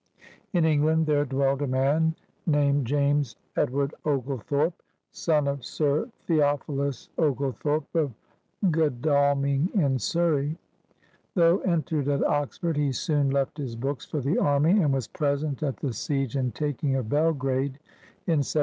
In England there dwelled a man named James Edward Oglethorpe, son of Sir Theophilus Ogle thorpe of Godalming in Siurey. Though entered at Oxford, he soon left his books for the army and 886 nONEERS OF THE OLD SOUTH was present at the si^e and taking oi Bdgrade in 1717.